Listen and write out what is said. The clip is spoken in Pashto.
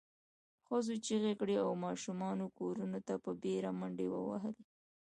ښځو چیغې کړې او ماشومانو کورونو ته په بېړه منډې ووهلې.